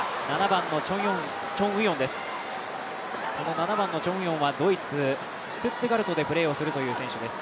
７番のチョン・ウヨンはドイツ、シュツットガルトでプレーをする選手です。